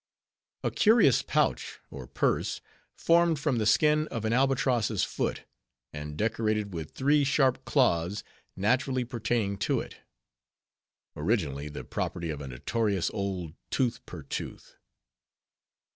A curious Pouch, or Purse, formed from the skin of an Albatross' foot, and decorated with three sharp claws, naturally pertaining to it. (Originally the property of a notorious old Tooth per Tooth).